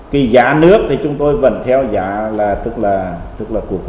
cái giá nước thì chúng tôi vẫn theo giá là tức là của